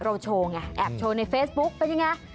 โชว์ไงแอบโชว์ในเฟซบุ๊กเป็นยังไง